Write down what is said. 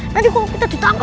nadi kok kita ditangkap